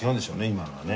今のはね。